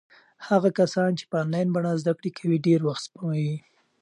هغه کسان چې په انلاین بڼه زده کړې کوي ډېر وخت سپموي.